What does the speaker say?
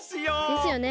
ですよね。